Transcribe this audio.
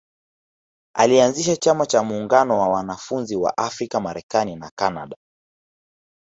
Alianzisha Chama cha muungano wa wanafunzi wa Afrika Marekani na Kanada